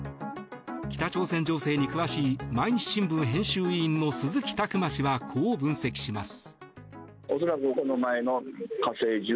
北朝鮮情勢に詳しい毎日新聞編集委員の鈴木琢磨氏は、こう分析します。